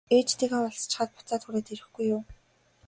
Ээжтэйгээ уулзчихаад буцаад хүрээд ирэхгүй юу?